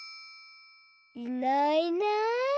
いないいない。